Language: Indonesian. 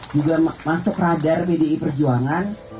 juga masuk radar pdi perjuangan